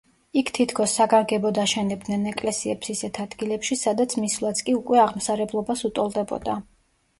იქ თითქოს საგანგებოდ აშენებდნენ ეკლესიებს ისეთ ადგილებში, სადაც მისვლაც კი უკვე აღმსარებლობას უტოლდებოდა.